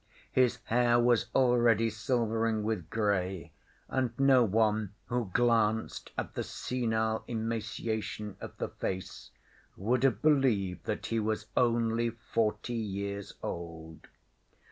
His hair was already silvering with grey, and no one who glanced at the senile emaciation of the face would have believed that he was only forty years old.